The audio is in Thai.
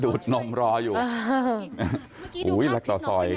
เพื่อนบ้านเจ้าหน้าที่อำรวจกู้ภัย